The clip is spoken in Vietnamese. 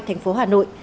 thành phố hà nội